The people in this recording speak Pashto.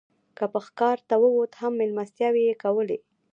که به ښکار ته ووت هم مېلمستیاوې یې کولې.